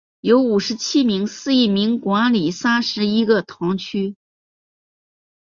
由五十七名司铎名管理三十一个堂区。